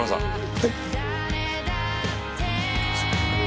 はい。